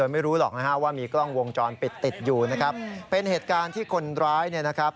ไม่รู้หรอกนะฮะว่ามีกล้องวงจรปิดติดอยู่นะครับเป็นเหตุการณ์ที่คนร้ายเนี่ยนะครับ